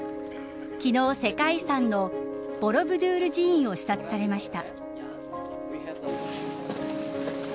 昨日、世界遺産のボロブドゥール寺院を視察されました。